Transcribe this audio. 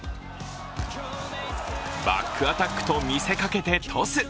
バックアタックと見せかけてトス。